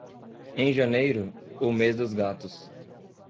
Em janeiro, o mês dos gatos.